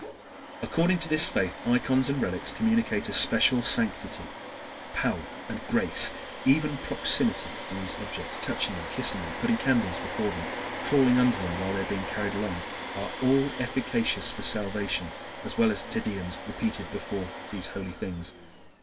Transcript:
According to this faith ikons and relics communicate a special sanctity, power, and grace, and even proximity to these objects, touching them, kissing them, putting candles before them, crawling under them while they are being carried along, are all efficacious for salvation, as well as Te Deums repeated before these holy things.